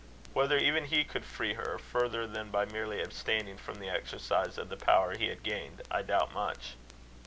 Whether even he could free her, further than by merely abstaining from the exercise of the power he had gained, I doubt much.